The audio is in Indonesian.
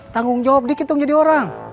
tanggung jawab dikit dong jadi orang